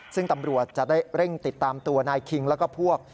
ซึ่งตำรวจจะได้เร่งติดตามตัวนายคิงแล้วก็พวก